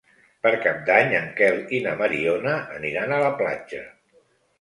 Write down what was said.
Per Cap d'Any en Quel i na Mariona aniran a la platja.